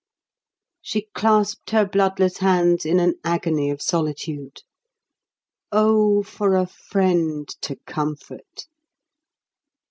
She clasped her bloodless hands in an agony of solitude. Oh, for a friend to comfort!